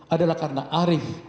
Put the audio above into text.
adalah karena arief